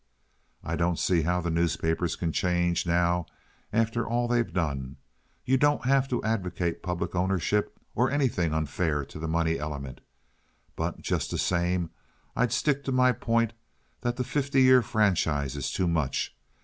I don't see how the newspapers can change now after all they've done. You don't have to advocate public ownership or anything unfair to the money element, but just the same I'd stick to my point that the fifty year franchise is too much.